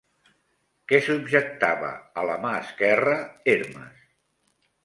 Què subjectava a la mà esquerra Hermes?